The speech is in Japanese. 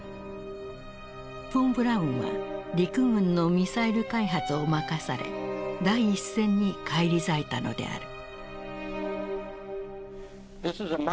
フォン・ブラウンは陸軍のミサイル開発を任され第一線に返り咲いたのである。